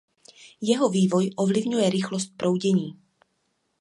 Jeho vývoj ovlivňuje rychlost proudění.